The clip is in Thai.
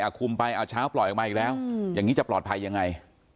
คุมไปเอาเช้าปล่อยออกมาอีกแล้วอย่างนี้จะปลอดภัยยังไง